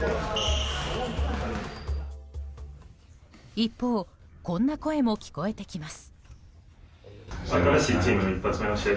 一方、こんな声も聞こえてきます。